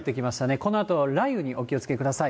このあと、雷雨にお気をつけください。